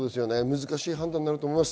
難しい判断になると思います。